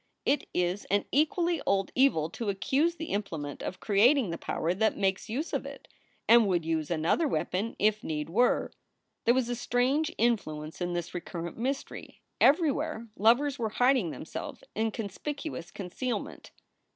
It is an equally old evil to accuse the implement of creat ing the power that makes use of it, and would use another weapon if need were. There was a strange influence in this recurrent mystery. Everywhere lovers were hiding themselves in conspicuous concealment.